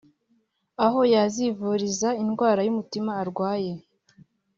aho yazivuriza indwara y’umutima adwaye